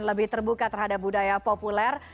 lebih terbuka terhadap budaya populer